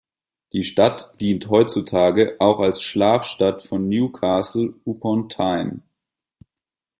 Die Stadt dient heutzutage auch als „Schlafstadt“ von Newcastle upon Tyne.